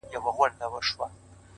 وروستۍ خبره دا باید وکړم